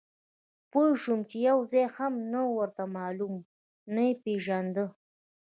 پوه شوم چې یو ځای هم نه و ورته معلوم، نه یې پېژانده.